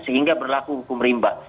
sehingga berlaku hukum rimba